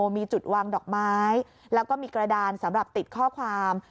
มีจุดวางดอกไม้แล้วก็มีกระดานสำหรับติดข้อความ